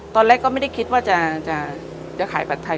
ตอนแรกก็ไม่ได้คิดว่าจะขายผัดไทย